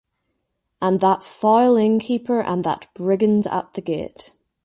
And that foul innkeeper and that brigand at the gate.